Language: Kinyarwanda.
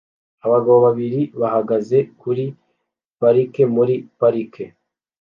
Abagabo babiri bahagaze kuri parike muri parike